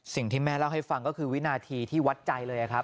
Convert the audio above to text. สิ่งที่แม่เล่าให้ฟังก็คือวินาทีที่วัดใจเลยครับ